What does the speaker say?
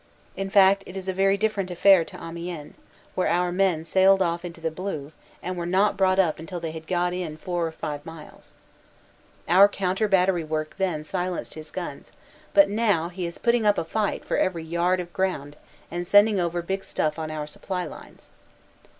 In fact it is a very different affair to Amiens, where our men sailed off into the blue and were not brought up until they had got in four or five miles. Our counter battery work then silenced his guns, but now he is putting up a fight for every yard of ground and sending over big stuff on our support lines.